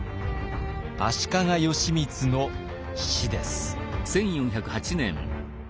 足利義満の死です。